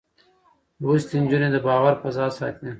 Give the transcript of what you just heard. لوستې نجونې د باور فضا ساتي.